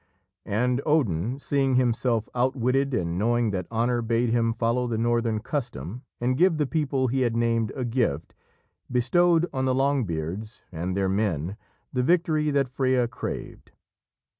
And Odin, seeing himself outwitted and knowing that honour bade him follow the Northern custom and give the people he had named a gift, bestowed on the Longbeards and their men the victory that Freya craved.